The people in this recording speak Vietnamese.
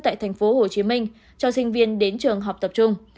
tại tp hồ chí minh cho sinh viên đến trường học tập trung